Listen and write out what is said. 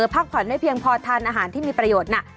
พักผ่อนไม่เพียงพอทานอาหารที่มีประโยชน์หนัก